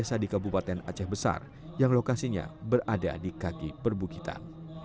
desa di kabupaten aceh besar yang lokasinya berada di kaki perbukitan